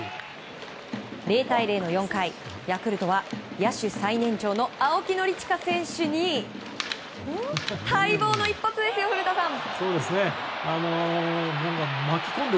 ０対０の４回ヤクルトは野手最年長の青木宣親選手に待望の一発ですよ、古田さん。